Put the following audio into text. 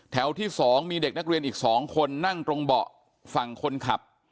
ที่๒มีเด็กนักเรียนอีก๒คนนั่งตรงเบาะฝั่งคนขับ